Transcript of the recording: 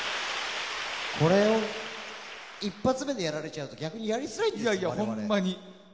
これを一発目でやられちゃうと逆にやりづらいんじゃないですか。